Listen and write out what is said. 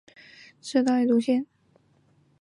故治在今四川省大竹县东南。